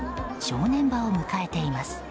正念場を迎えています。